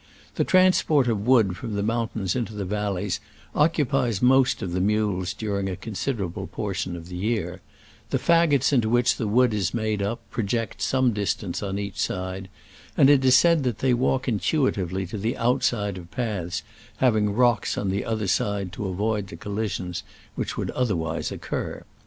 The transport of wood from the mountains into the val leys occupies most of the mules during a considerable portion of the year : the fagots into which the wood is made up project some distance on each side, and it is said that they walk intuitively to the outside of paths having rocks on the other side to avoid the collisions which would otherwise occur.